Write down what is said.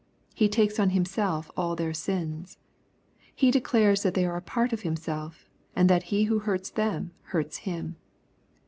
He takes on Himself all their sins. He declares that they are a^ part of Himself, and that he who hurts them hurts Him.